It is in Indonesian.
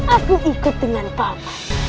aku ikut dengan papa